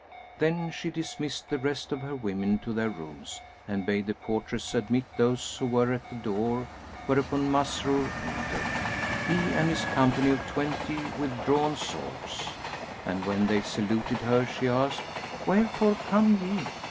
[FN#186] Then she dismissed the rest of her women to their rooms and bade the portress admit those who were at the door; whereupon Masrur entered, he and his company of twenty with drawn swords. And when they saluted her, she asked, "Wherefore come ye?"